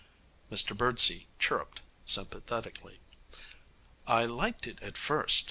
Mr Birdsey chirruped sympathetically. 'I liked it at first.